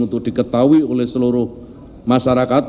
untuk diketahui oleh seluruh masyarakat